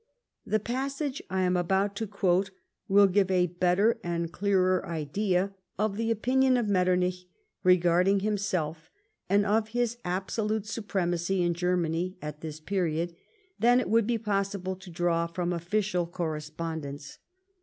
The passage I am about to quote will give a better and clearer idea of the opinion of Metternich regarding himself, and of his absolute supremacy in Germany, at this period, than it would be possible to draw from official correspondence.